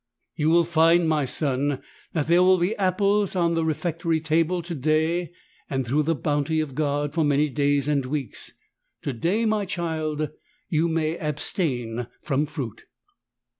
"You will find, my son, that there will be apples on the refectory table to day and, through the bounty of God, for many days and weeks. To day, my child, you may abstain from fruit."